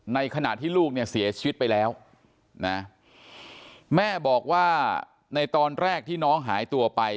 ในขณะที่ลูกเนี่ยเสียชีวิตไปแล้วนะแม่บอกว่าในตอนแรกที่น้องหายตัวไป